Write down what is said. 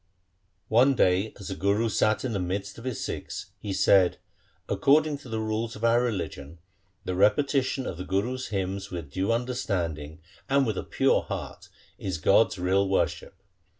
One day as the Guru sat in the midst of his Sikhs he said, ' According to the rules of our re ligion the repetition of the Gurus' hymns with due understanding and with a pure heart is God's real worship.'